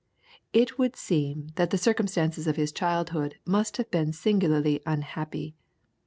It would seem that the circumstances of his childhood must have been singularly unhappy.